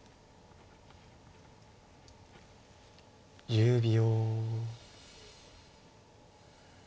１０秒。